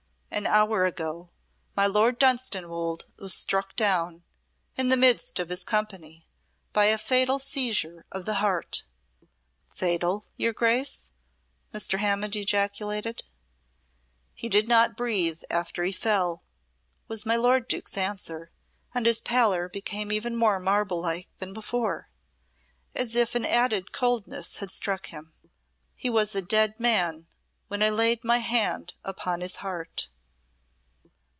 An hour ago my Lord Dunstanwolde was struck down in the midst of his company by a fatal seizure of the heart." "Fatal, your Grace?" Mr. Hammond ejaculated. "He did not breathe after he fell," was my lord Duke's answer, and his pallor became even more marble like than before, as if an added coldness had struck him. "He was a dead man when I laid my hand upon his heart."